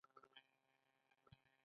درد ورو ورو عادت کېږي.